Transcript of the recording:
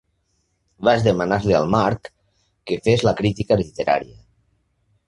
Vaig demanar-li al Mark que fes la crítica literària.